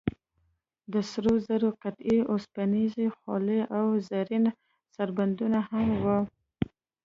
د سرو زرو قطعې، اوسپنیزې خولۍ او زرین سربندونه هم و.